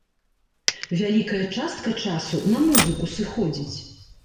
Вялікая частка часу на музыку сыходзіць.